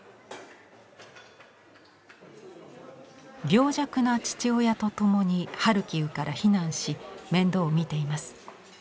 病弱な父親と共にハルキウから避難し面倒を見ています。